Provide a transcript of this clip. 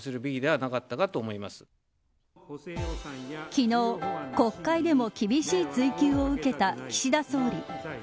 昨日、国会でも厳しい追及を受けた岸田総理。